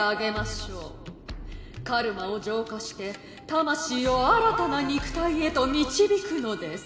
カルマを浄化して魂を新たな肉体へと導くのです。